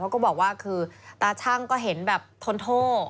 ก็บอกว่าคือตาชั่งก็เห็นแบบทนโทษ